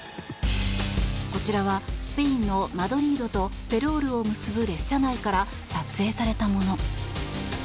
こちらはスペインのマドリードとフェロールを結ぶ列車内から撮影されたもの。